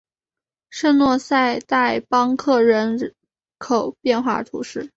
圣若塞代邦克人口变化图示